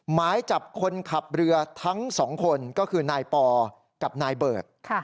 หมายจับคนขับเรือทั้งสองคนก็คือนายปอกับนายเบิร์ต